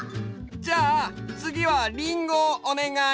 じゃあつぎはリンゴをおねがい。